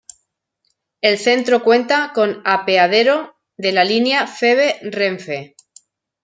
El centro cuenta con apeadero de la línea Feve-Renfe.